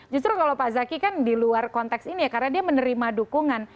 justru kalau pak zaki kan di luar konteks ini ya karena dia menerima dukungan